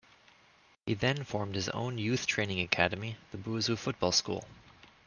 He then formed his own youth training academy, The Buzu football school.